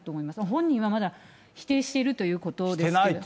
本人はまだ否定しているということですけれども。